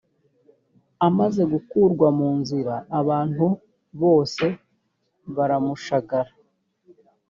amaze gukurwa mu nzira abantu bose baramushagara